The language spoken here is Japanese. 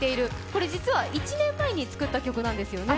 これ実は１年前に作った曲なんですよね？